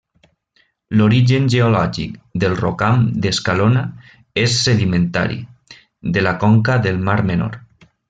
L'origen geològic del rocam d'Escalona és sedimentari, de la conca del Mar Menor.